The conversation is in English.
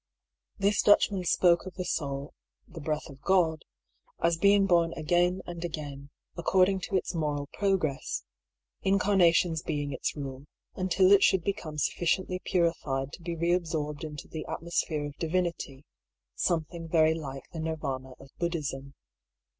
This Dutchman spoke of the soul (the " breath of God ") as being bom again and again, according to its moral progress ; incarnations being its rule, until it should become suflSciently purified to be reabsorbed into the atmosphere of Divinity (something very like the Nirvdna of Buddhism).